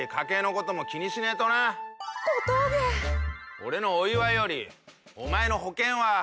俺のお祝いよりお前の保険は？